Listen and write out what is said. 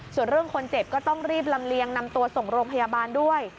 ส่วนเรื่องคนเจ็บก็ต้องรีบลำเลียงนำตัวส่งโรงพยาบาลด้วย